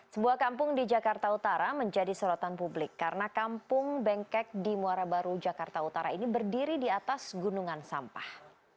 sebuah kampung di jakarta utara menjadi sorotan publik karena kampung bengkek di muara baru jakarta utara ini berdiri di atas gunungan sampah